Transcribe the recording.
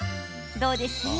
どうです？